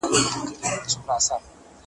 په لمنو کي لالونه `